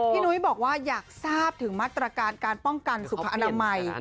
พี่นุ้ยบอกว่าอยากทราบถึงมัตตรการการป้องกันสุขธรรมไหน